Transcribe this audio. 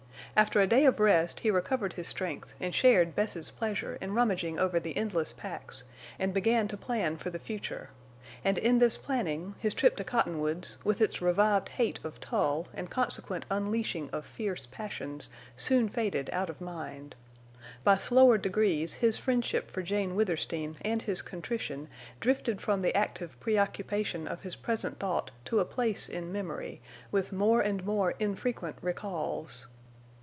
After a day of rest he recovered his strength and shared Bess's pleasure in rummaging over the endless packs, and began to plan for the future. And in this planning, his trip to Cottonwoods, with its revived hate of Tull and consequent unleashing of fierce passions, soon faded out of mind. By slower degrees his friendship for Jane Withersteen and his contrition drifted from the active preoccupation of his present thought to a place in memory, with more and more infrequent recalls.